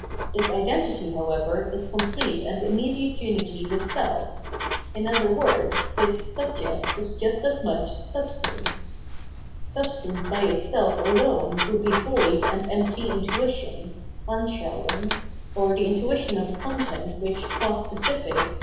This identity, however, is complete and im mediate unity with self ; in other words this Subject is just as much Substance. Substance by itself alone would be void and empty Intuition {Anschauen), or the intuition of a content which qua specific would * Leibnitz.